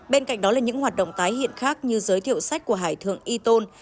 bên cạnh đó là những hoạt động tái hiện khác như giới thiệu sách của hải thượng y tôn